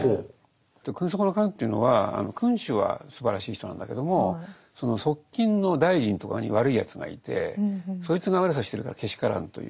君側の奸というのは君主はすばらしい人なんだけどもその側近の大臣とかに悪いやつがいてそいつが悪さしてるからけしからんという